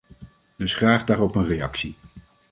Dus graag daarop een reactie.